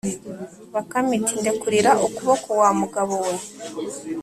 bakame iti: “ndekurira ukuboko wa mugabo we!”